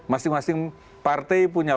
masing masing partai punya